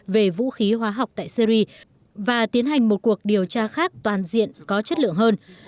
về vũ khí hóa học tại syri và tiến hành một cuộc điều tra khác toàn diện có chất lượng hơn